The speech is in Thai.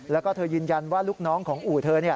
แล้วก็เธอยืนยันว่าลูกน้องของอู่เธอ